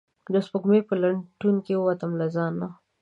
د سپوږمۍ په لټون ووتم له ځانه